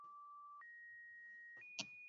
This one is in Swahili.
alanga mbio za magari unaweza kuita pia